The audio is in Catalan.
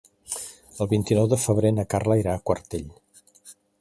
El vint-i-nou de febrer na Carla irà a Quartell.